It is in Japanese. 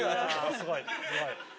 すごい。